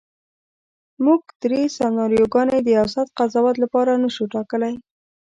موږ درې سناریوګانې د اوسط قضاوت لپاره نشو ټاکلی.